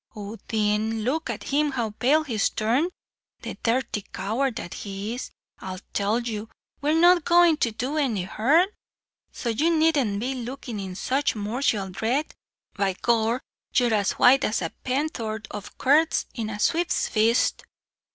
Oh, thin, look at him how pale he's turned, the dirty coward that he is. I tell you, we're not goin' to do you any hurt, so you needn't be lookin' in sitch mortial dhread. By gor, you're as white as pen'orth o' curds in a sweep's fist."